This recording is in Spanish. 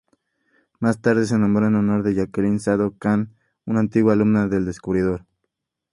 Más tarde, se nombró en honor de Jacqueline Zadoc-Kahn, una antigua alumna del descubridor.